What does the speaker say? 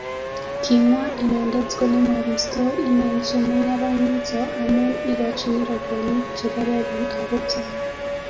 kimwa inrndet kole mabisto inen chemung'arainivhoto amun ikochini robwoniek chekororon ako teer